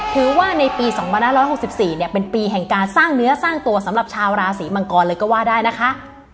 ถือว่าในปี๒๕๖๔เนี่ยเป็นปีแห่งการสร้างเนื้อสร้างตัวสำหรับชาวราศีมังกรเลยก็ว่าได้นะคะ